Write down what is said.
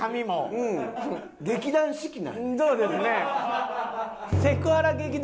うんそうですね。